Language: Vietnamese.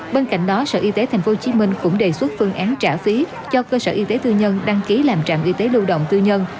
bên cạnh đó sở y tế tp hcm cũng đề xuất phương án trả phí cho cơ sở y tế tư nhân đăng ký làm trạm y tế lưu động tư nhân